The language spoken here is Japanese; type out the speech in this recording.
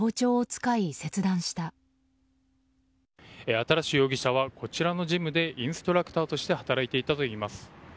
新容疑者は、こちらのジムでインストラクターとして働いていたといいます。